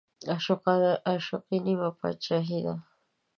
عاشقي نيمه باچاهي ده